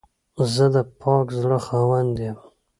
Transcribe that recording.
زه د پاک زړه خاوند یم.